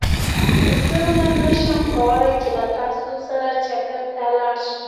زه نن نه شم کولاي چې له تاسو سره چکرته لاړ شم